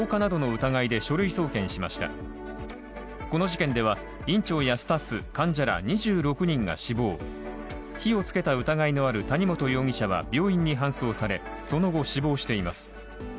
この事件では、院長やスタッフ、患者ら２６人が死亡火をつけた疑いのある谷本容疑者は病院に搬送され、その後、死亡しています。